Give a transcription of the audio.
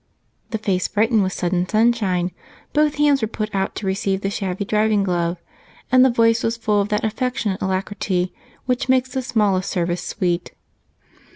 The face brightened with sudden sunshine; both hands were put out to receive the shabby driving glove, and the voice was full of that affectionate alacrity which makes the smallest service sweet.